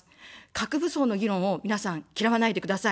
核武装の議論を皆さん、嫌わないでください。